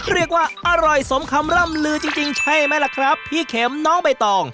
เรียกว่าอร่อยสมคำร่ำลือจริงใช่ไหมล่ะครับพี่เข็มน้องใบตอง